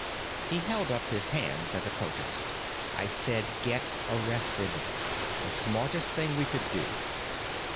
He held up his hand at the protests. "I said, get arrested. The smartest thing we could do.